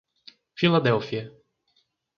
Filadélfia